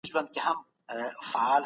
موږ جمع زده کوو.